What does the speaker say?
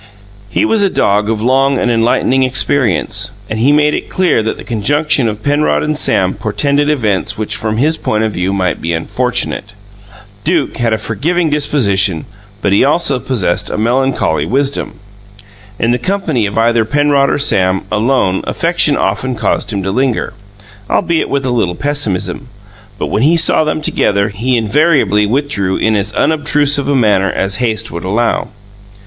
He was a dog of long and enlightening experience; and he made it clear that the conjunction of Penrod and Sam portended events which, from his point of view, might be unfortunate. Duke had a forgiving disposition, but he also possessed a melancholy wisdom. In the company of either Penrod or Sam, alone, affection often caused him to linger, albeit with a little pessimism, but when he saw them together, he invariably withdrew in as unobtrusive a manner as haste would allow.